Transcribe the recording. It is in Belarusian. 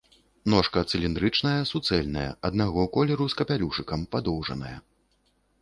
Ножка цыліндрычная, суцэльная, аднаго колеру з капялюшыкам, падоўжаная.